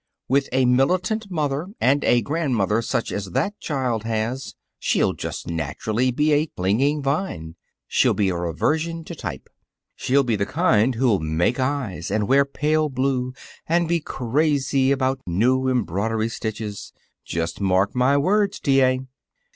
With a militant mother and a grandmother such as that child has, she'll just naturally be a clinging vine. She'll be a reversion to type. She'll be the kind who'll make eyes and wear pale blue and be crazy about new embroidery stitches. Just mark my words, T. A."